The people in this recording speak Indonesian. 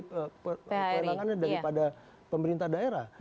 kelelangannya daripada pemerintah daerah